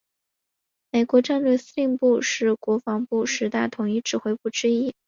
美国战略司令部是国防部十大统一指挥部之一。